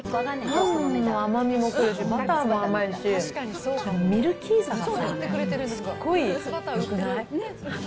パンの甘みもくるし、バターも甘いし、ミルキーさがすっごいよくない？